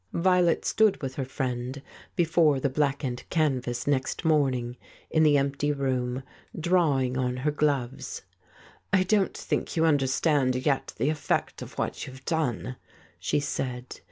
Violet stood with her friend before the blackened canvas next morning in the empty room, drawing on her gloves. 140 The False Step "I don't think you understand yet the effect of what you have done," she said.